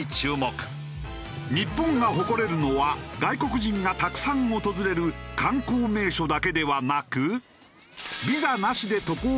日本が誇れるのは外国人がたくさん訪れる観光名所だけではなく。